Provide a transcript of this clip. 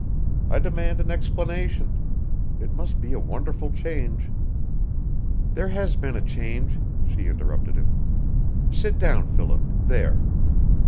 I demand an explanation. It must be a wonderful change " "There has been a change," she interrupted him. "Sit down, Philip there!"